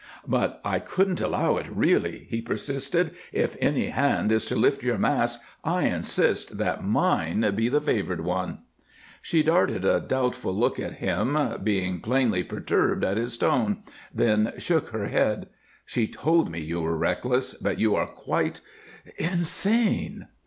"But I couldn't allow it, really," he persisted. "If any hand is to lift your mask, I insist that mine be the favored one." She darted a doubtful look at him, being plainly perturbed at his tone, then shook her head. "She told me you were reckless, but you are quite insane."